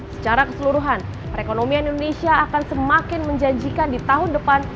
secara keseluruhan perekonomian indonesia akan semakin menjanjikan di tahun depan